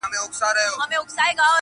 تاريخ بيا بيا هماغه وايي تل,